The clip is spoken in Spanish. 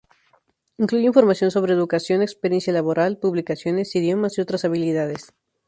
Incluye información sobre educación, experiencia laboral, publicaciones, idiomas y otras habilidades.